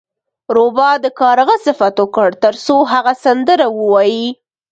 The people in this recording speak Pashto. روباه د کارغه صفت وکړ ترڅو هغه سندره ووایي.